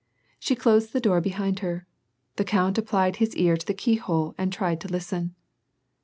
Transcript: She closed the door behind her. The count applied his ear to the keyhole and tried to listen.